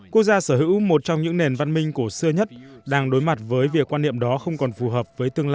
quốc gia sở hữu một trong những nền văn minh cổ xưa nhất đang đối mặt với việc quan niệm đó không còn phù hợp